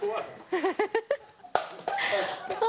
フフフフッ。